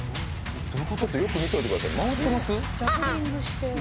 ちょっとよく見てください。